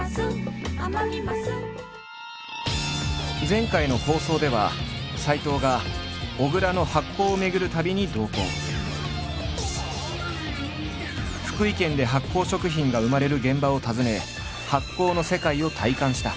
前回の放送では斎藤が小倉の福井県で発酵食品が生まれる現場を訪ね発酵の世界を体感した。